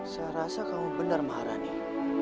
saya rasa kamu benar marah nih